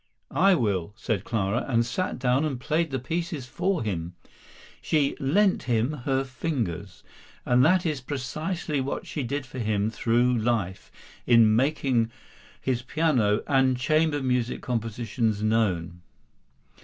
"I will," said Clara, and sat down and played the pieces for him. She "lent him her fingers;" and that is precisely what she did for him through life in making his piano and chamber music compositions known.